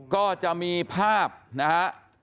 ก็จะมีภาพนะฮะ